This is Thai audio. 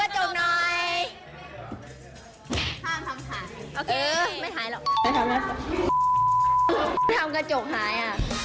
จิลขอยืมกระจกหน่อย